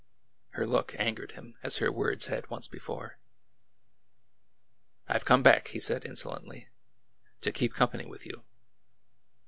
Her look angered him as her words had once before. " I Ve come back," he said insolently, '' to keep com pany with you."